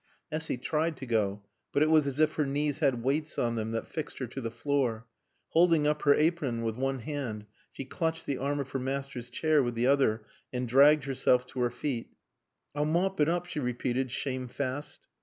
Essy tried to go. But it was as if her knees had weights on them that fixed her to the floor. Holding up her apron with one hand, she clutched the arm of her master's chair with the other and dragged herself to her feet. "I'll mop it oop," she repeated, shamefast.